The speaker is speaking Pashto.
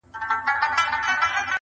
هر ګستاخ چي په ګستاخ نظر در ګوري ,